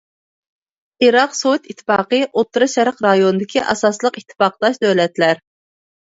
ئىراق سوۋېت ئىتتىپاقى ئوتتۇرا شەرق رايونىدىكى ئاساسلىق ئىتتىپاقداش دۆلەتلەر.